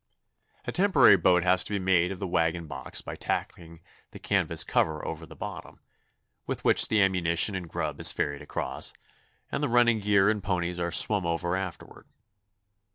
A temporary boat has to be made of the wagon box by tacking the canvas cover over the bottom, with which the ammunition and grub is ferried across, and the running gear and ponies are swum over afterward.